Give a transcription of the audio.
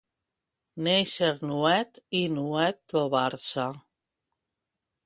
Néixer nuet i nuet trobar-se.